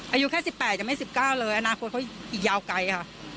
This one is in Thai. อายุแค่๑๘ยังไม่๑๙เลยอนาคตเขาอีกยาวไกลค่ะ